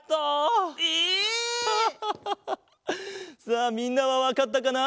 さあみんなはわかったかな？